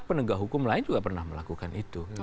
penegak hukum lain juga pernah melakukan itu